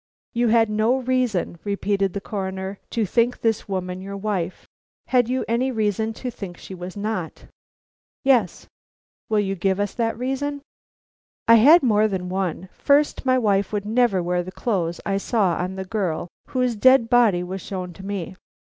"You had no reason," repeated the Coroner, "to think this woman your wife. Had you any reason to think she was not?" "Yes." "Will you give us that reason?" "I had more than one. First, my wife would never wear the clothes I saw on the girl whose dead body was shown to me.